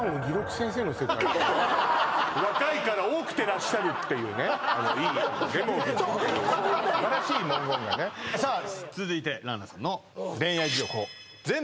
「若いから多くてらっしゃる」っていうねあのいい「檸檬夫人」っていう素晴らしい文言がねさあ続いて爛々さんの恋愛事情